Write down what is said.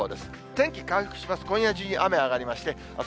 天気回復します。